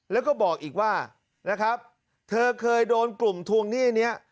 แล้วก็บอกอีกว่านะครับเธอเคยโดนกลุ่มทวงหนี้นี้